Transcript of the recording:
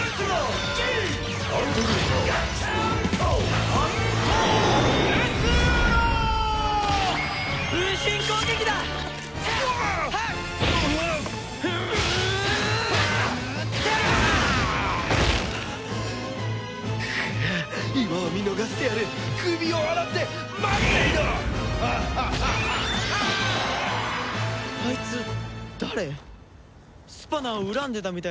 スパナを恨んでたみたいだけど。